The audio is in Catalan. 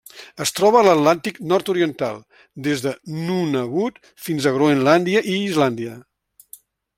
Es troba a l'Atlàntic nord-oriental: des de Nunavut fins a Groenlàndia i Islàndia.